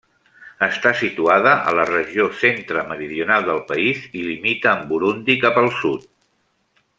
Està situada a la regió centre-meridional del país i limita amb Burundi cap al sud.